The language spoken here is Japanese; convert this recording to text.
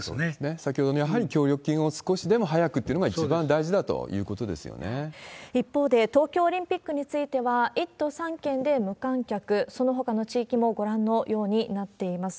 先ほどの、やはり協力金を少しでも早くというのが一番大事だとい一方で、東京オリンピックについては、１都３県で無観客、そのほかの地域もご覧のようになっています。